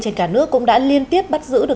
trên cả nước cũng đã liên tiếp bắt giữ được